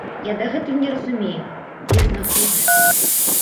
Я дагэтуль не разумею, дзе знаходжуся.